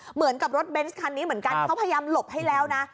เหมือนกับรถเบนส์คันนี้เหมือนกันเขาพยายามหลบให้แล้วนะ